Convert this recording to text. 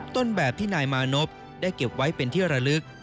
ต้นแบบที่นายมานพได้เก็บไว้เป็นที่ระลึก